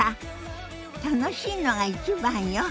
楽しいのが一番よ。